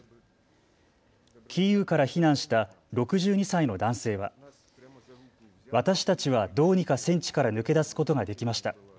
キーウから避難した６２歳の男性は私たちはどうにか戦地から抜け出すことができました。